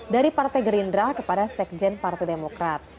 dari partai gerindra kepada sekjen partai demokrat